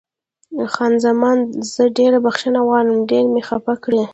خان زمان: زه ډېره بښنه غواړم، ډېر مې خفه کړې.